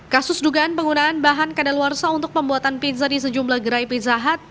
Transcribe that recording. kasus dugaan penggunaan bahan kadaluarsa untuk pembuatan pizza di sejumlah gerai pizza hut